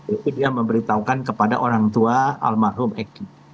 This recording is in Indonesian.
itu dia memberitahukan kepada orang tua almarhum eki